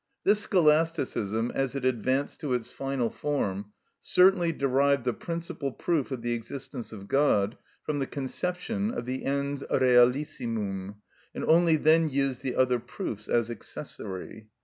This Scholasticism, as it advanced to its final form, certainly derived the principal proof of the existence of God from the conception of the ens realissimum, and only then used the other proofs as accessory.